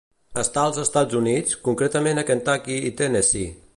Està als Estats Units, concretament a Kentucky i Tennessee.